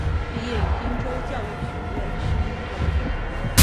毕业于滨州教育学院生物专业。